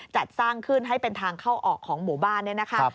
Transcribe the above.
จัดสร้างขึ้นให้เป็นทางเข้าออกของหมู่บ้านเนี่ยนะคะ